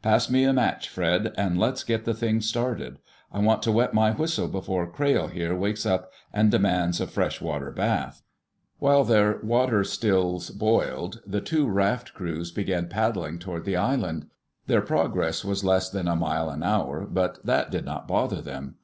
Pass me a match, Fred, and let's get the thing started. I want to wet my whistle before Crayle, here, wakes up and demands a fresh water bath." [Illustration: "Now We'll Wring out a Fresh Fish Cocktail."] While their water stills boiled, the two raft crews began paddling toward the island. Their progress was less than a mile an hour, but that did not bother them.